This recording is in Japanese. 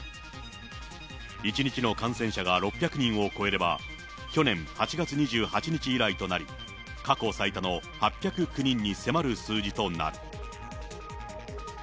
１日の感染者が６００人を超えれば、去年８月２８日以来となり、過去最多の８０９人に迫る数字となる。